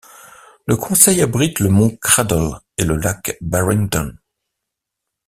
Le conseil abrite le Mont Cradle et le lac Barrington.